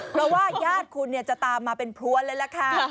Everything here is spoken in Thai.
เพราะว่าญาติคุณจะตามมาเป็นพลวนเลยล่ะค่ะ